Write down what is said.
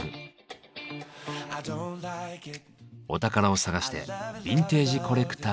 お宝を探してビンテージコレクターのお宅へ。